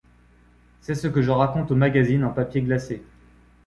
C'est ce que je raconte aux magazines en papier glacé.